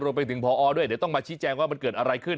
ไปถึงพอด้วยเดี๋ยวต้องมาชี้แจงว่ามันเกิดอะไรขึ้น